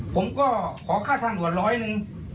ผมก็ขอค่าทางด่วนร้อยหนึ่ง